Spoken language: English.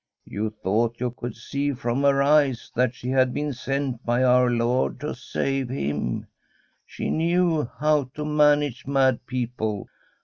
You thought you could see from her eyes that she had been sent by Our Lord to save him. She knew how to manage mad people.